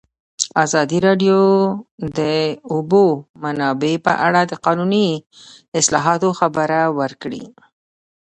ازادي راډیو د د اوبو منابع په اړه د قانوني اصلاحاتو خبر ورکړی.